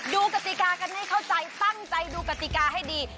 กติกากันให้เข้าใจตั้งใจดูกติกาให้ดี